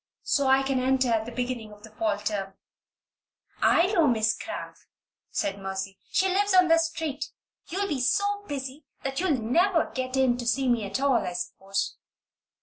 so I can enter at the beginning of the fall term. "I know Miss Cramp," said Mercy. "She lives on this street. You'll be so busy then that you'll never get in to see me at all, I suppose."